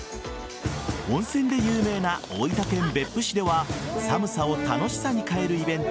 温泉で有名な大分県別府市では寒さを楽しさに変えるイベント